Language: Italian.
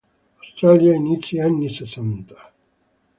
Australia, inizi anni sessanta.